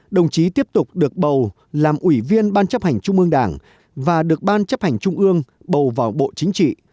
đồng chí tiếp tục được bầu làm ủy viên ban chấp hành trung ương đảng và được ban chấp hành trung ương bầu vào bộ chính trị